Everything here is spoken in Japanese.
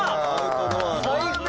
最高！